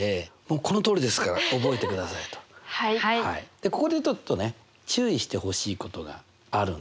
でここでちょっとね注意してほしいことがあるんですね。